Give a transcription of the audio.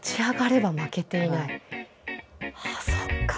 ああそっか。